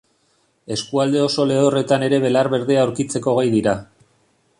Eskualde oso lehorretan ere belar berdea aurkitzeko gai dira.